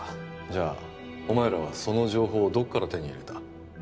じゃあお前らはその情報をどっから手に入れた？